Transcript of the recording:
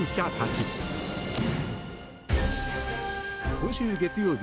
今週月曜日